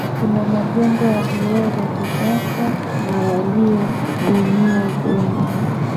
Kuna majengo ya vioo ya kisasa na yaliyobuniwa vyema